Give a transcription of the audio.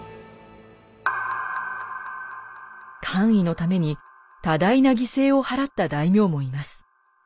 官位のために多大な犠牲を払った大名もいます。